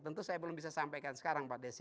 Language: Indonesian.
tentu saya belum bisa sampaikan sekarang pak desi